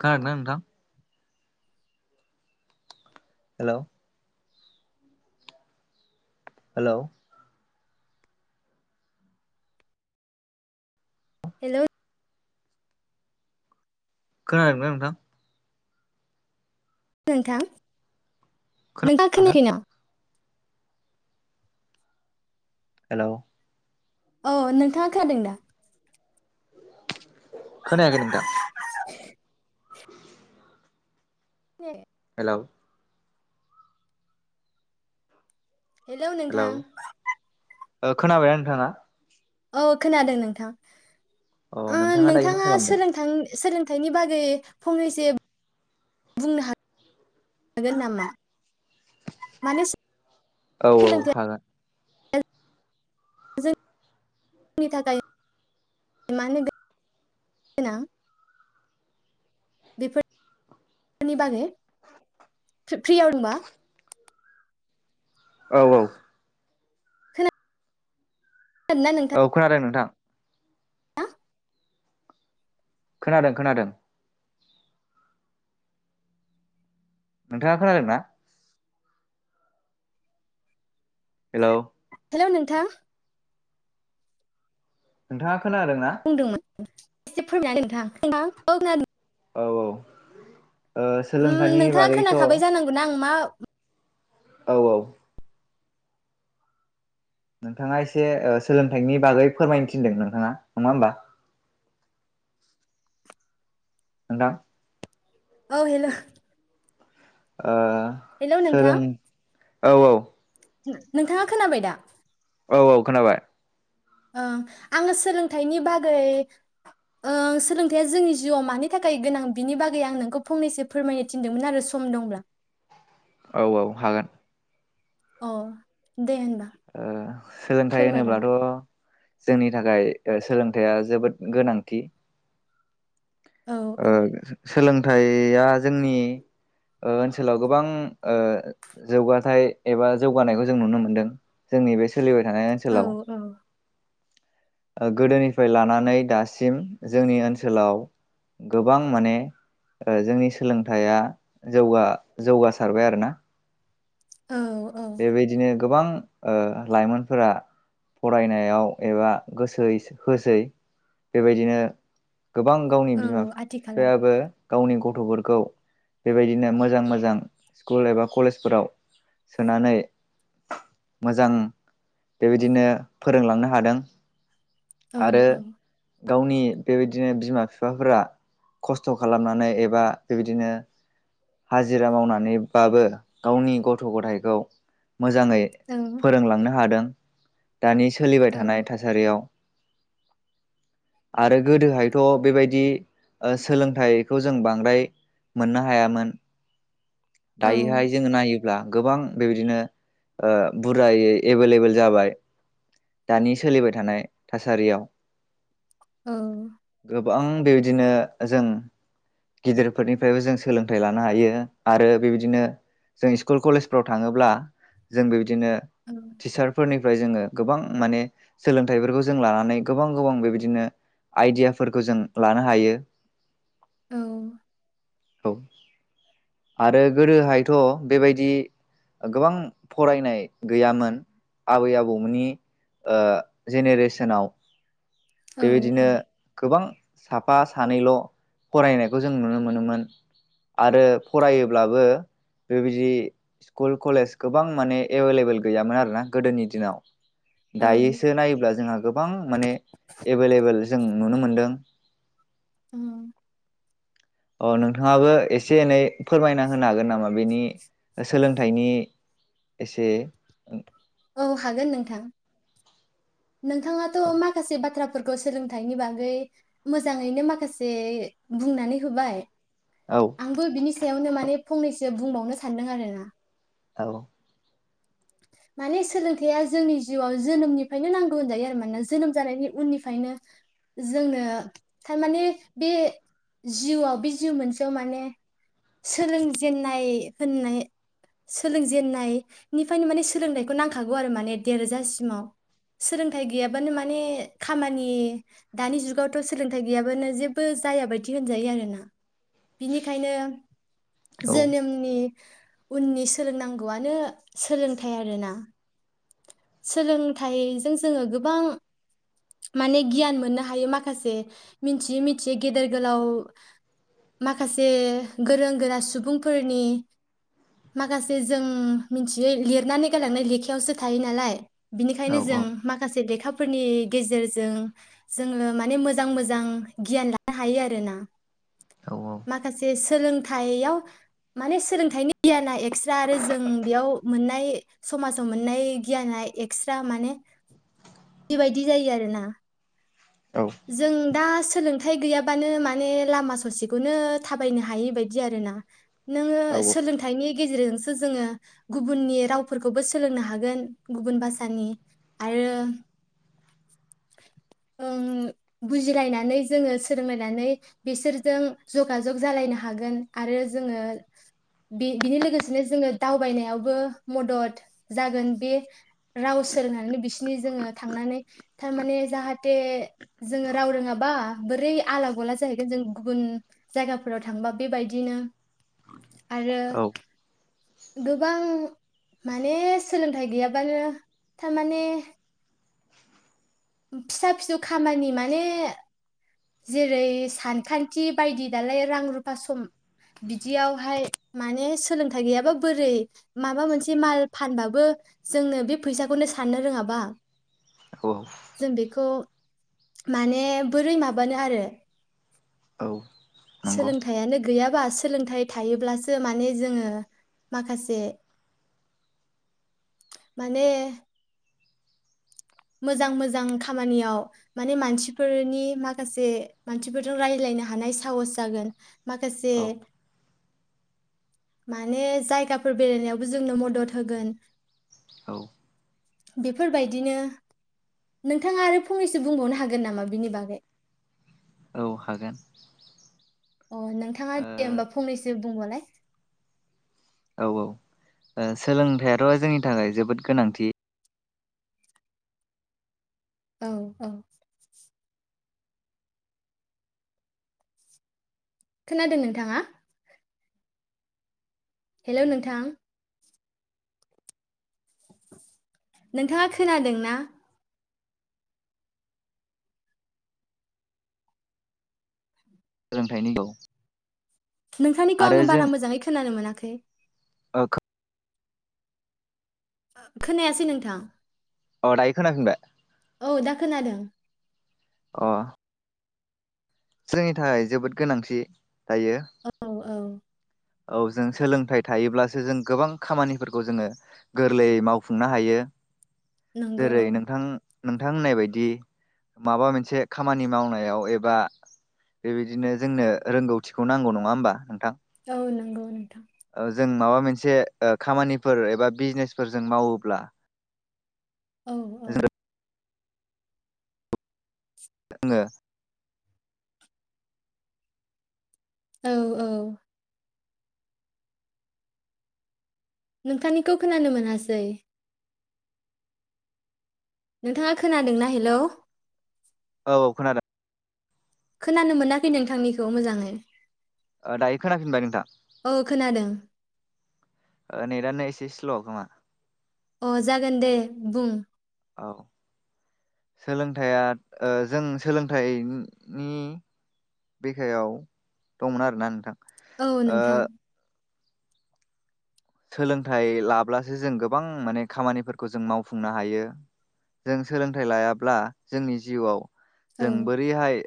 खोनादों ना नोंथां? हेल' हेल' हेल' खोनादों ना नोंथां? [unintelligible] नोंथां नोंथां खोनायाखै नामा? हेलौ औ नोंथाङा खानादों दा? [inaudible] खोनायाखै नोंथां । [unintelligible] हेलौ हेलौ नोंथां । ओ खोनाबायना नोंथाङा? औ खोनादों नोंथां। अ ओ दायो मा नोंथाङा खालामदों? सोलोंथां सोलोंथाइनि बागै फंनैसो बुंनो हागोन नामा? माने औ औ हागोन। [unintelligible] बेफोरनि बागै फ्रि- फ्रियाव दंबा। औ औ। खोनादोंना औ नोंथाङा खोनादों नोंथां। [unintelligible] खोनादों खोनादों। नोंथाङा खोनादों ना। हेल'। हेल' नोंथां। नोंथांआ। खोनादों ना। बुंदोंमोन एसे फोरमायनानै नोंथां नोंथां औ [unintelligible] औ औ। ओ सोलोंथाइनि नोंथाङा बागैथ' खोनाखाबाय जानांगौना आं मा। औ औ। नोंथाङा एसे ओ सोलोंथाइनि बागै फोरमायनो थिनदों नोंथाङा नङा होमबा। नोंथां। औ हेल'। ओ सोरां औ औ। नोंथांआ खोनाबाय दा। औ औ खोनाबाय। ओ आङो सोलोंथाइनि बागै ओ सोलोंथाइया जोंनि जिउआव मानि थाखाय गोनां बिनि बागै आं नोंखौ फंनैसो फोरमायनो थिनदोंमोन आरो सम दंब्ला। औ औ हागोन। अ दे‌ होमब्ला। सोलोंथाइ होनोब्लाथ'। जोंनि थाखाय सोलोंथाइया जोबोद गोनांथि। औ ओ औ सोलों। थाइया जोंनि ओ ओनसोलाव गोबां ओ जौगाथाय एबा जौगानायखौ जों नुनो मोनदों। जोंनि बे। सोलिबाय थानाय औ ओनसोलाव। औ ओ गोदोनिफ्राय लानानै दासिम जोंनि ओनसोलाव गोबां माने ओ जोंनि सोलोंथाइया जौगा जौगासारबाय आरोना। औ औ बेबायदिनो। गोबां ओ लाइमोनफोरा फरायनायाव एबा गोसो होसै बेबायदिनो। गोबां गावनि बिमा औ आथिखालाव फिफायाबो। गावनि गथफोरखौ बेबायदिनो मोजां मोजां स्कुल एबा कलेजफोराव सोनानै मोजां बेबायदिनो फोरोंलांनो हादों औ आरो औ गावनि बेबायदिनो बिमा बिफाफोरा खस्थ खालामनानै एबा बेबायदिनो हाजिरा मावनानैबाबो गावनि गथ गथाय खौ मोजाङै औ फोरोंलांनो हादों दानि सोलिबाय थानाय थासारियाव आरो गोदोहायथ बेबायदि ओ सोलोंथाइखौ जों बांद्राय मोननो हायामोन औ दायोहाय जोङो नायो ब्ला गोबां बेबायदिनो ओ बुरजायै एभेलेबेल जाबाय दानि सोलिबाय थानाय थासारियाव। औ। बां बेबायदिनो जों गिदिरफोरनिफ्रायबो जों सोलोंथाइ लानो हायो आरो बेबायदिनो जों स्कुल कलेज फ्राव थाङोब्ला जों बे बादिनो टिचारफोरनि फ्राय जोङो गोबां माने सोलोंथाइफोरखौ जों लानानै गोबां गोबां बेबायदिनो आइडियाफोरखौ जों लानो हायो। औ। औ आरो गोदोहायथ' बेबायदि गोबां फरायनाय गैयामोन आबै आबौमोननि ओ जेनेरेसनाव। बेबायदिनो गोबां साफा सानैल' फरायनायखौ जों नुनो मोनोमोन आरो फरायोब्लाबो बेबायदि स्कुल कलेज गोबां माने एभेलेबोेल गैयामोन आरो ना गोदोनि दिनाव। औ दायोसो नायोब्ला जोंहा गोबां माने एभेलेबोल जों नुनो मोनदों। ओ अ नोंथाङाबो एसे एनै फोरमायना होनो हागोन नामा बेनि सोलोंथाइनि एसे औ हागोन नोंथां। नोंथाङाथ' माखासे बाथ्रा फोरखौ सोलोंथाइनि बागै मोजाङैनो माखासे बुंनानै होबाय। औ आंबो बिनि सायावनो माने फंनैसो बुंबावनो सानदों आरो ना। औ। माने सोलोंथाइया जोंनि जिउआव जोनोमनिफ्रायनो नांगौ होनजायो आरो मानोना जोनोम जानायनि उननिफ्रायनो जोंनो थारमाने बे जिउआव बे जिउ मोनसेयाव माने सोलोंजेननाय होननाय सोलोंजेननाय निफ्रायनो माने सोलोंथाइखौ नांखागौ आरो माने देर जासिमाव। सोलोंथाइ गैयाबानो माने खामानि दानि जुगावथ' सोलोंथाइ गैयाबानो जेबो जाया बायदि होनजायो आरो ना। बिनिखायनो औ जोनोमनि उननि सोलोंनांगौवानो सोलोंथाइ आरो ना। सोलोंथाइजों जोङो गोबां माने गियान मोननो हायो माखासे मिथियै मिथियै गेदेर गोलाव माखासे गोरों गोरा सुबुंफोरनि माखासे जों मिथियै लिरनानै गालांनाय लेखायावसो थायो नालाय। औ बिनिखायनो जों माखासे लेखा फोरनि गेजेरजों जोङो माने मोजां मोजां गियान लानो हायो आरो ना। औ माखासे सोलोंथाइयाव माने सोलोंथाइनि गियाना जा आरो बेयाव मोनना नाय समाजाव मोननाय गियाना एक्सट्रा माने बेबायदि जायो आरो ना। जों दा सोलों थाय गैयाबानो माने लामा ससेखौनो थाबायनो हायि बायदि आरो ना। नोङो औ सोलोंथाइनि गेजेरजोंसो जोङो गुबुननि रावफोरखौबो सोलोंनो हागोन। गुबुन भाषानि आरो ओम बुजिलायनानै जोङो सोलोंलायनानै बिसोरजों जगाजग जालायनो हागोन आरो जोङो बि बिनि लोगोसेनो जोङो दावबायनायावबो मदद जागोन बे राव सोलोंनानै बिसिनि जोङो थांनानै थारमाने जाहाथे जोङो राव रोङाबा बोरै आला गला जाहैगोन जों गुबुन जायगाफोराव थांबा बेबायदिनो आरो औ गोबां माने सोलोंथाइ गैयाबानो थारमाने फिसा फिसौ खामानि माने जेरै सानखान्थि बायदि दालाय रां रुफा सम बिदियावहाय माने सोलोंथाइ गैयाबा बोरै माबा मोनसे माल फानबाबो जोंनो बे फैसाखौनो साननो रोङाबा औ जों बेखौ माने बोरै माबानो आरो। औ। नंगौ सोलोंथाइयानो गैया बा सोलोंथाइ थायोब्लासो माने जोङो माखासे माने मोजां मोजां खामानियाव माने मानसिफोरनि माखासे मानसिफोरजों रायज्लायनो हानाय साहस जागोन। माखासे औ माने जायगाफोर बेरायनायावबो जोंनो मदद होगोन। औ। बेफोरबायदिनो नोंथाङा आरो फंनैसो बुंबावनो हागोन नामा बिनि बागै? औ हागोन। अ नोंथाङा ओ दे होमबा फंनैसो बुंबावलाय। औ औ ओ सोलोंथाइआथ' जोंनि थाखाय जोबोद गोनांथि। औ औ। खोनादों नोंथाङा? हेलौ नोंथां। नोंथाङा खोनादों ना? सोलोंथाइनि औ। नोंथांनिखौ आरो आङो जों बारा मोजाङै खोनानो मोनाखै। ओ खो ओ खोनायासै नोंथां। अ दायो खोनाफिनबाय औ दा खोनादों अ। जोंनि थाखाय जोबोद गोनांथि। दायो। औ औ औ जों सोलोंथाइ थायोब्लासो जों गोबां खामानिफोरखौ जोङो गोरलैयै मावफुंनो हायो। नंगौ जेरै औ नोंथां नोंथां होननाय बायदि माबा मोनसे खामानि मावनायाव एबा बेबायदिनो जोंनो रोंगौथिखौ नांगौ नङा ओमबा। औ नोंगौ नोंथां। जों माबा मोनसे ओ खामानिफोर एबा बिजनेसफोरजों मावोब्ला औ औ [unintelligible] जोङो औ औ। नोंथांनिखौ खोनानो मोनासै नोंथाङा खोनादोंना हेलौ? औ औ खोनादों खोनानो मोनाखै नोंथांनिखौ मोजाङै। दायो खोनाफिनबाय नोंथां? औ खोनादों ने दानो एसे स्ल खोमा। अ जागोन दे बुं औ सोलोंथाइया जों सोलोंथाइनि बेखायाव दंमोन आरोना नोंथां? औ ओ नोंथां। सोलोंथाइ लाब्लासो जों गोबां माने खामानिफोरखौ जों मावफुंनो हायो जों सोलोंथाइ लायाब्ला जोंनि जिउआव औ जों बोरैहाय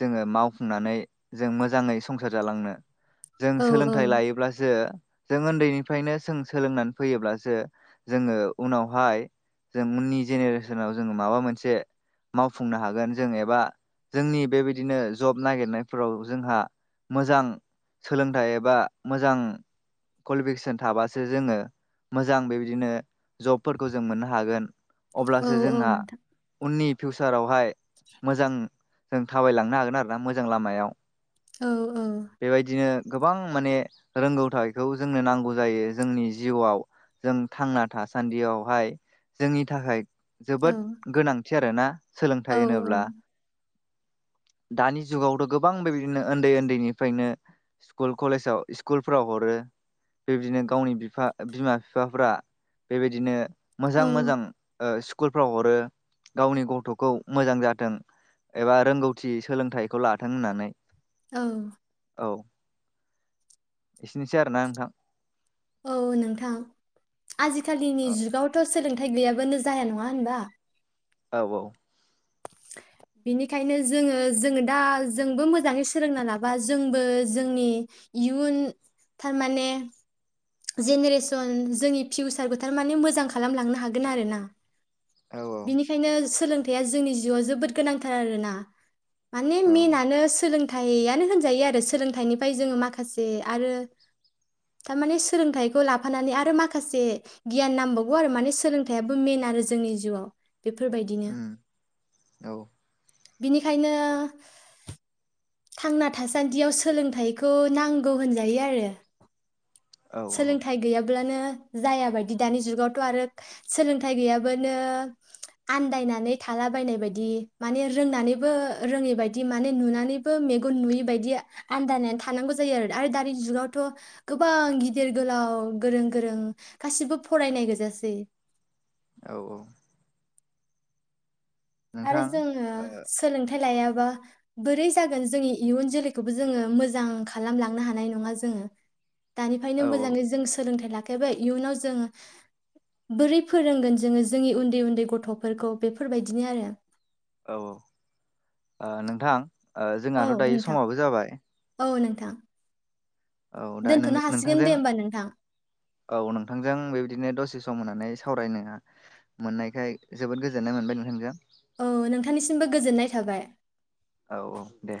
जोङो मावफुंनानै जों मोजाङै संसार जालांनो जों औ औ सोलोंथाइ लायोब्लासो जों ओनदै निफ्रायनो जों सोलोंनानै फैयोब्लासो जोङो उनावहाय जों उननि जेनेरेसनाव जोंङो माबा मोनसे मावफुंनो हागोन जों एबा जोंनि बेबायदिनो जब नागिरनायफोराव जोंहा मोजां सोलोंथाइ एबा मोजां कवालिफिकेसन थाबासो जोङो मोजां बेबायदिनो जबफोरखौ जों मोननो हागोन। औ अब्लासो औ जोंहा नोंथां उननि फिउचारावहाय मोजां जों थाबायलांनो हागोन आरो ना मोजां लामायाव। औ औ बेबायदिनो गोबां माने रोंगौथखौ जोंनो नांगौ जायो जोंनि जिउआव जों थांना थासान्दियावहाय जोंनि थाखाय जोबोद औ गोनांथि आरोना औ सोलोंथाइ होनोब्ला दानि जुगावथ गोबां बेबायदिनो उन्दै उन्दैनिफ्रायनो स्कुल कलेजाव स्कुलफ्राव हरो बेबायदिनो गावनि बिफा बिमा बिफाफोरा बेबायदिनो मोजां औ मोजां स्कुलफ्राव हरो गावनि गथ'खौ मोजां जाथों एबा रोंगौथि सोलोंथाइखौ लाथों होननानै औ औ एसेनोसै आरोना नोंथां। औ नोंथां। आजिखालिनि औ जुगावथ' सोलोंथ हाथाय गैयाबानो जाया नङा होनबा? औ औ। बेनिखायनो जोङो जोङो दा जोंबो मोजाङै सोलोंना लाबा जोंबो जोंनि इयुन थारमाने जेनेरेसन जोंनि फिउचारखौ थारमाने मोजां खालामलांनो हागोन आरो ना। औ औ बिनिखायनो सोलों थाइया जोंनि जिउआव जोबोद गोनांथार आरोना। माने औ मेनानो सोलों थाइनो होनजायो आरो सोलोंथाइनिफ्राय जोङो माखासे आरो थार माने सोलोंथाइखौ लाफानानै आरो माखासे गियान नांबावगौ आरो माने सोलोंथाइयाबो मेन आरो जोंनि जिउआव। बेफोरबायदिनो उम औ बिनिखायनो थांना थासान्दियाव सोलोंथाइखौ नांगौ होनजायो आरो औ सोलोंथाइ गैयाबा ब्लानो जाया बायदि दानि जुावथ' आरो सोलोंथाइ गैयाबानो आन्दायनानै थालाबायनाय बायदि माने रोंनानैबो रोङै बायदि माने नुनानैबो मेगन नुयै बायदि आन्दायनानै थानांगौ जायो आरो आरो दानि जुगावथ' गोबां गिदिर गोलाव गोरों गोरों गासिबो फरायनाय गोजासै। औ औ आरो नोंथां जोङो ओ सोलोंथाइ लाया बा बोरै जागोन जोंनि इयुन जोलैखौबो जोङो मोजां खालामलांनो हानाय नङा जोङो। दानिफ्रायनो औ मोजाङै जों सोलोंथाइ ला आखाइबा इयुनाव जोङो बोरै फोरोंगोन जोङो जोंनि उन्दै उन्दै गथ'फोरखौ बेफोरबायदिनो आरो। [inaudible] औ औ ओ नोंथां ओ जोंहाथ' दायो समाबो जाबाय। दा औ दा नोंनि नोंथांजों नोंथां औ नोंथांजों बेबायदिनो दसे सम' होना नाय सावरायनो मोननायखाय जोबोद गोजोननाय मोनबाय नोंथांजों। औ नोंथांनिसिमबो गोजोननाय थाबाय। औ औ दे